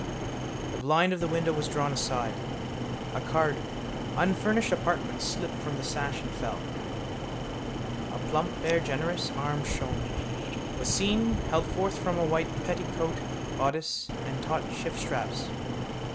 The blind of the window was drawn aside. A card Unfurnished Apartments slipped from the sash and fell. A plump bare generous arm shone, was seen, held forth from a white petticoatbodice and taut shiftstraps.